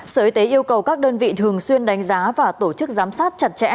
sở y tế yêu cầu các đơn vị thường xuyên đánh giá và tổ chức giám sát chặt chẽ